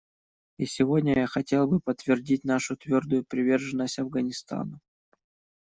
И сегодня я хотел бы подтвердить нашу твердую приверженность Афганистану.